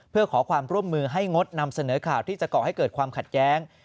เพื่อขอความร่วมมือให้งดนำเสนอข่าวที่จะก่อให้เกิดความขัดแย้ง